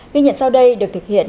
ghi nhận sau đây được thực hiện